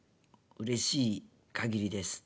うれしいかぎりです。